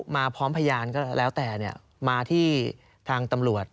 มาพร้อมพยานก็แล้วแต่มาที่ทางตำรวจ